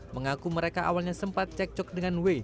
mengaku mereka awalnya sempat cekcok dengan w